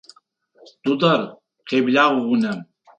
Дудар, къеблагъ унэм!